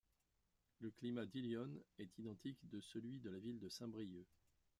Le climat d'Hillion est identique de celui de la ville de Saint-Brieuc.